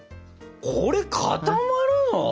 これ固まるの？